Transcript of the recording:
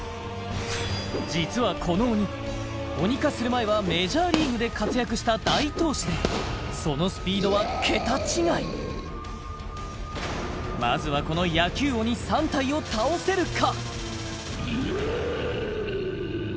実はこの鬼鬼化する前はメジャーリーグで活躍した大投手でそのスピードは桁違いまずはこの野球鬼３体を倒せるか？